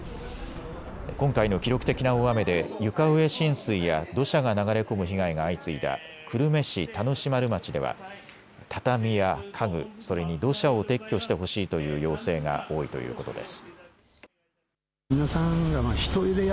今回の記録的な大雨で床上浸水や土砂が流れ込む被害が相次いだ久留米市田主丸町では畳や家具、それに土砂を撤去してほしいという要請が多いということです。